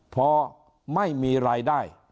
พอไม่มีรายได้